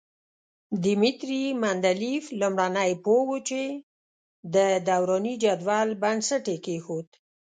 دیمتري مندلیف لومړنی پوه وو چې د دوراني جدول بنسټ یې کېښود.